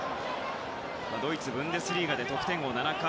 ドイツ・ブンデスリーガで得点王７回。